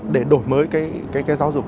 để đổi mới cái giáo dục